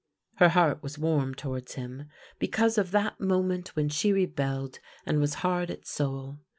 Her heart was warm towards him, be cause of that moment when she rebelled and was hard at soul.